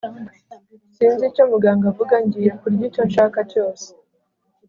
sinzi icyo muganga avuga. ngiye kurya icyo nshaka cyose